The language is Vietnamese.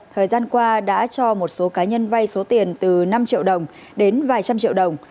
thời gian qua đã cho một số cá nhân vay số tiền từ năm triệu đồng đến vài trăm triệu đồng